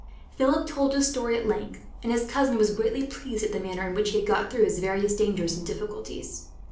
Philip told his story at length, and his cousin was greatly pleased at the manner in which he had got through his various dangers and difficulties.